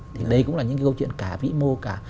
thì đây cũng là những cái câu chuyện cả vĩ mô cả